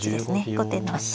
後手の飛車が。